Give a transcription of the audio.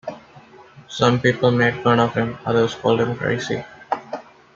Some people made fun of him, others called him crazy.